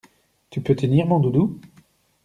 Tu peux tenir mon doudou?